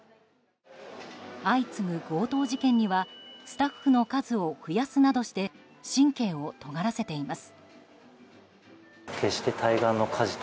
相次ぐ強盗事件にはスタッフの数を増やすなどして神経をとがらせています。